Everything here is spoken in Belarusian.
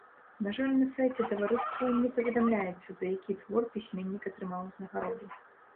На жаль, на сайце таварыства не паведамляецца, за які твор пісьменнік атрымаў узнагароду.